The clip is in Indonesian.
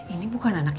ini bukan anaknya babe